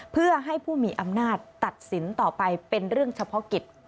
เพื่อให้ผู้มีอำนาจตัดสินต่อไปเป็นเรื่องเฉพาะกิจ